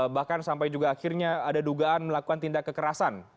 bahkan sampai juga akhirnya ada dugaan melakukan tindak kekerasan